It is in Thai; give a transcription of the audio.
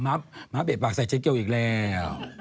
ม้าเบะปากใส่เจ๊เกียวอีกแล้ว